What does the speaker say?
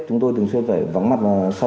chúng tôi thường xuyên phải vắng mặt